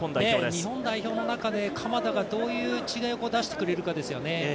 日本代表の中で鎌田がどういう違いを出してくるかですよね。